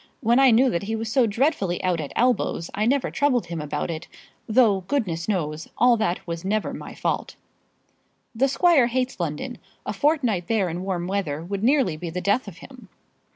When I knew that he was so dreadfully out at elbows I never troubled him about it, though, goodness knows, all that was never my fault." "The squire hates London. A fortnight there in warm weather would nearly be the death of him."